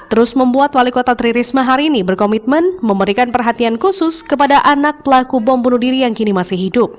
terus membuat wali kota tri risma hari ini berkomitmen memberikan perhatian khusus kepada anak pelaku bom bunuh diri yang kini masih hidup